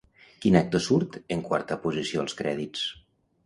Quin actor surt en quarta posició als crèdits?